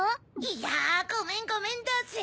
いやごめんごめんだぜ。